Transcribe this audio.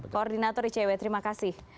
koordinator icw terima kasih